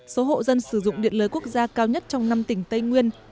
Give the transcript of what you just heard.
số hộ dân sử dụng điện lưới quốc gia cao nhất trong năm tỉnh tây nguyên